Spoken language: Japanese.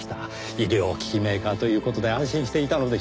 医療機器メーカーという事で安心していたのでしょうねぇ。